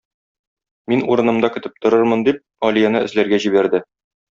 Мин урынымда көтеп торырмын, - дип Алияне эзләргә җибәрде.